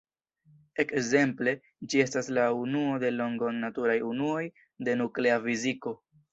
Ekzemple, ĝi estas la unuo de longo en naturaj unuoj de nuklea fiziko.